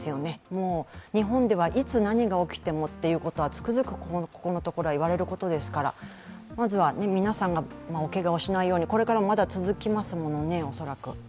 もう日本ではいつ何が起きてもということはつくづくここのところ言われることですから、まずは皆さんがおけがをしないようにこれからもまだ続きますものね、恐らく。